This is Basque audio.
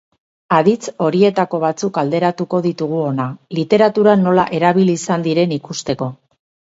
Aditz horietako batzuk alderatuko ditugu hona, literaturan nola erabili izan diren ikusteko.